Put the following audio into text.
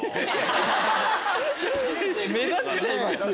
目立っちゃいますよ。